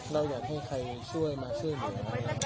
เราอยากให้ใครช่วยมาส่วยโบสถ์